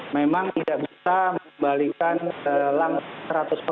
memang tidak bisa membalikan langsung